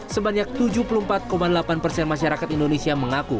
sebanyak tujuh puluh empat delapan persen masyarakat indonesia mengaku